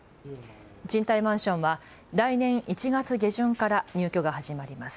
賃貸マンションは来年１月下旬から入居が始まります。